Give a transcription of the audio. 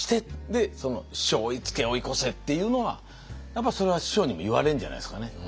でその師匠追いつけ追い越せっていうのはやっぱそれは師匠にも言われるんじゃないですかね。